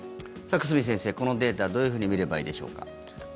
久住先生、このデータどういうふうに見ればいいでしょうか。